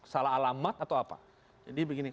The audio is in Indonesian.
salah alamat atau apa jadi begini